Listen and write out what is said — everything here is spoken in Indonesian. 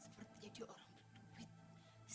sepertinya dia orang berduit